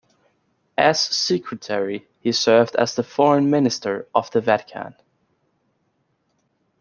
As Secretary, he served as the foreign minister of the Vatican.